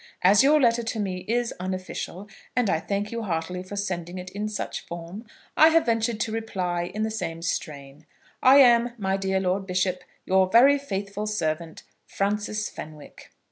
As your letter to me is unofficial, and I thank you heartily for sending it in such form, I have ventured to reply in the same strain. I am, my dear Lord Bishop, Your very faithful servant, FRANCIS FENWICK.